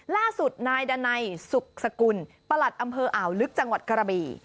ล่าสุดนายดันัยสุขสกุลประหลัดอำเภออ่าวลึกจังหวัดกระบี่